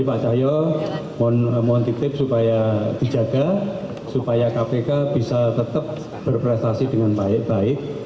pak cahyo mohon titip supaya dijaga supaya kpk bisa tetap berprestasi dengan baik baik